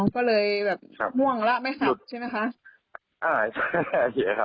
อ๋อก็เลยง่วงแล้วอ่ะไม่ซักใช่ไหมค่ะ